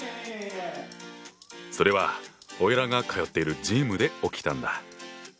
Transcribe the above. それはオイラが通っているジムで起きたんだ。